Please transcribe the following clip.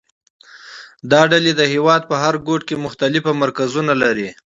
دا ډلې د هېواد په هر ګوټ کې مختلف مرکزونه لري